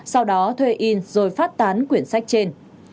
sau đó thuê in rồi phát tán quyển sách trên